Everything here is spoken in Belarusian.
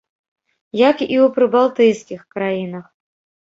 Як і ў прыбалтыйскіх краінах.